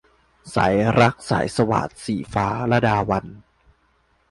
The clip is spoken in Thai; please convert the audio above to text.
สายรักสายสวาท - ศรีฟ้า ลดาวัลย์